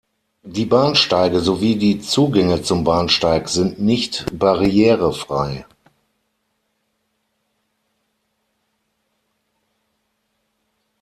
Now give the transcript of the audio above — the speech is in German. Die Bahnsteige sowie die Zugänge zum Bahnsteig sind nicht barrierefrei.